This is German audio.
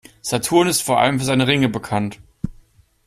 Saturn ist vor allem für seine Ringe bekannt.